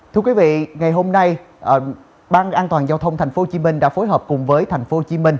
thưa quý vị ngày hôm nay ban an toàn giao thông tp hcm đã phối hợp cùng với tp hcm